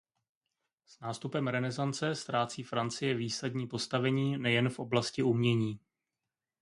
S nástupem renesance ztrácí Francie výsadní postavení nejen v oblasti umění.